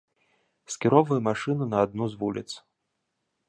Скіроўваю машыну на адну з вуліц.